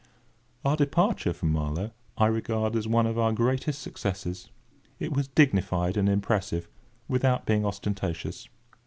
Our departure from Marlow I regard as one of our greatest successes. It was dignified and impressive, without being ostentatious.